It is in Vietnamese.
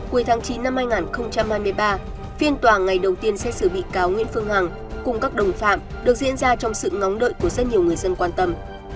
cuối tháng chín năm hai nghìn hai mươi ba phiên tòa ngày đầu tiên xét xử bị cáo nguyễn phương hằng cùng các đồng phạm được diễn ra trong sự ngóng đợi của rất nhiều người dân quan tâm